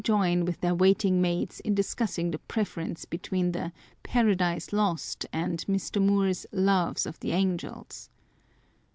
join with their waiting maids in discussing the preference between the Paradise Lost and Mr. Moore's Loves of the Angels.